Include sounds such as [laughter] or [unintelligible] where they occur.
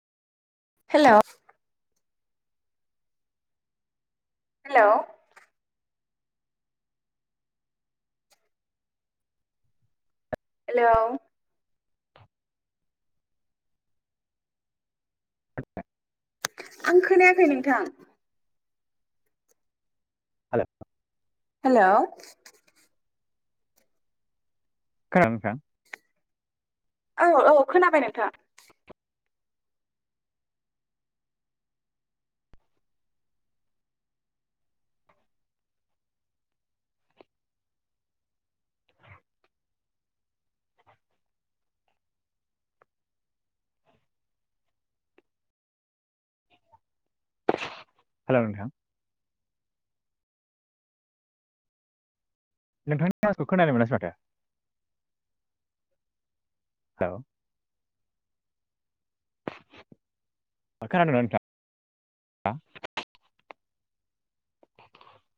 हेल'? Hello! हेल'व? [unintelligible] आं खोनायाखै नोंथां। हेलव? हेल'व? खोनादों नोंथां? औ औ खोनाबाय नोंथां। हेल' नोंथां? नोंथांनि माथोखौ खोनानो मोनासै माथो। हेल'। खोनादोंना नोंथां?